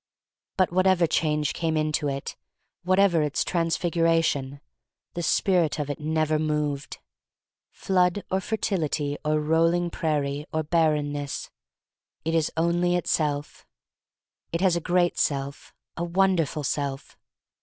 But whatever change came to it, whatever its transfiguration, the spirit of it never moved. Flood, or fertility, or rolling prairie, or barrenness— it is 205 206 THE STORY OF MARY MAC LANE only itself. It has a great self, a won derful self.